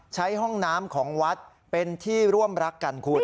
ห้องน้ำของวัดเป็นที่ร่วมรักกันคุณ